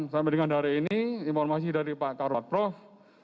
sampai dengan hari ini informasi dari pak karowad prof